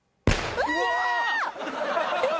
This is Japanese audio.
うわ！